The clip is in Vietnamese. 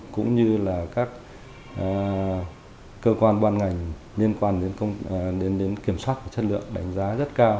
cũng như là các cơ quan quan ngành liên quan đến kiểm soát chất lượng đánh giá rất cao